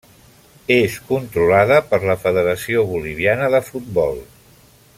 És controlada per la Federació Boliviana de Futbol.